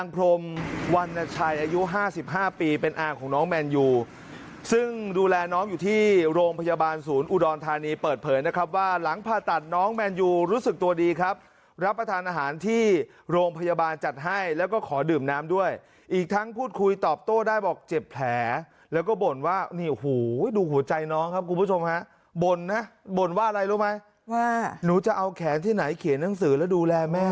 ๕๕ปีเป็นอ้างของน้องแมนยูซึ่งดูแลน้องอยู่ที่โรงพยาบาลศูนย์อุดรธานีเปิดเผยนะครับว่าหลังผ่าตัดน้องแมนยูรู้สึกตัวดีครับรับประทานอาหารที่โรงพยาบาลจัดให้แล้วก็ขอดื่มน้ำด้วยอีกทั้งพูดคุยตอบโต้ได้บอกเจ็บแผลแล้วก็บ่นว่านี่หูดูหัวใจน้องครับคุณผู้ชมฮะบ่นนะบ่นว่าอะไรรู้